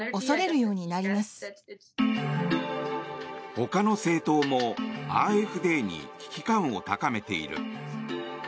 他の政党もＡｆＤに危機感を高めている。